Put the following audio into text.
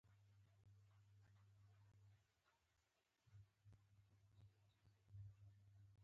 د کرمې ولسونه په پېښور کې د فوځي عملیاتو پر ضد احتجاجونه کوي.